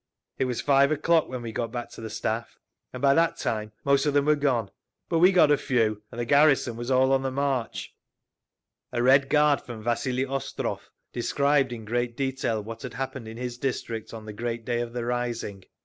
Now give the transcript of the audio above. It was five o'clock when we got back to the Staff, and by that time most of them were gone. But we got a few, and the garrison was all on the march…." A Red Guard from Vasili Ostrov described in great detail what had happened in his district on the great day of the rising.